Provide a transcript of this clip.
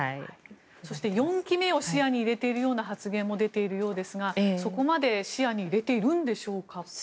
そして４期目を視野に入れているような発言も出ているようですがそこまで視野に入れているんでしょうか？